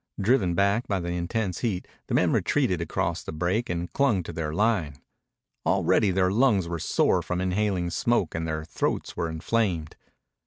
Driven back by the intense heat, the men retreated across the break and clung to their line. Already their lungs were sore from inhaling smoke and their throats were inflamed.